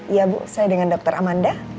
ya bu saya dengan dr amanda